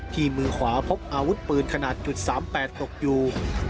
มือขวาพบอาวุธปืนขนาด๓๘ตกอยู่